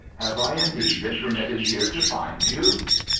Have I indeed been permitted here to find you?"